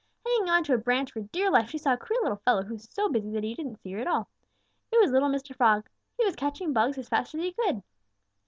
Hanging on to a branch for dear life she saw a queer little fellow who was so busy that he didn't see her at all. It was little Mr. Frog. He was catching bugs as fast as he could.